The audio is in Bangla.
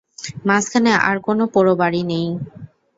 মাঝখানে আর কোনো পোড়োবাড়ি নেই।